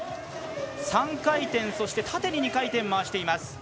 ３回転、縦に２回転回しています。